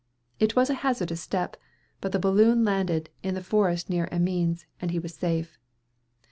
It was a hazardous step; but the balloon landed in a forest near Amiens, and he was safe.